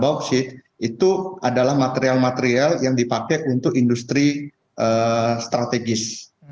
bauksit itu adalah material material yang dipakai untuk industri strategis